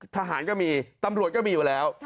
ทหารก็มีตำรวจก็มีอยู่แล้ว